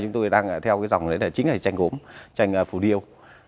nhưng cuối cùng hiện nay chúng tôi đang theo dòng chính là chanh gốm chanh phủ điêu